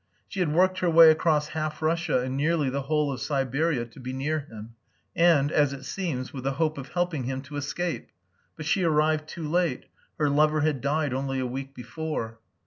She had worked her way across half Russia and nearly the whole of Siberia to be near him, and, as it seems, with the hope of helping him to escape. But she arrived too late. Her lover had died only a week before.